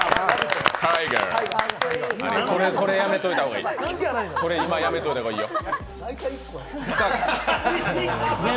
やめておいた方がいい、それ今、やめておいた方がいいよ。